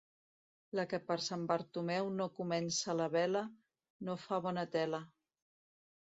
La que per Sant Bartomeu no comença la vela, no fa bona tela.